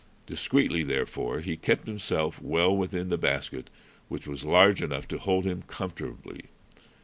Discreetly, therefore, he kept himself well within the basket, which was large enough to hold him comfortably.